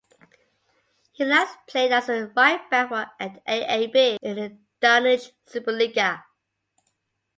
He last played as a right back for AaB in the Danish Superliga.